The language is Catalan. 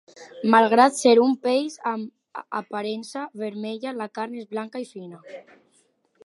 Malgrat ser un peix amb aparença vermella, la carn és blanca i fina.